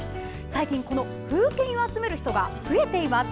最近、この風景印を集める人が増えています！